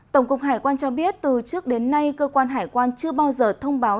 tổng cục hải quan cho biết từ trước đến nay cơ quan hải quan chưa bao giờ thông báo